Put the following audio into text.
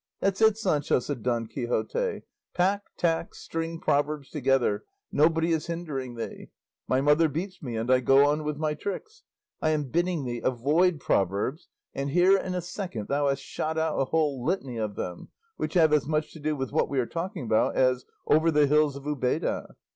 '" "That's it, Sancho!" said Don Quixote; "pack, tack, string proverbs together; nobody is hindering thee! 'My mother beats me, and I go on with my tricks.' I am bidding thee avoid proverbs, and here in a second thou hast shot out a whole litany of them, which have as much to do with what we are talking about as 'over the hills of Ubeda.